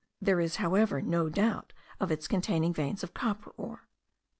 There is, however, no doubt of its containing veins of copper ore.